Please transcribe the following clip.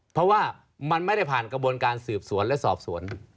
เพราะว่ามันไม่ได้ผ่านกระบวนการสืบสวนและสอบสวน